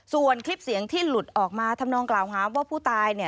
ส่วนคลิปเสียงที่หลุดออกมาทำนองกล่าวหาว่าผู้ตายเนี่ย